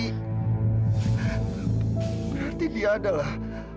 berarti dia adalah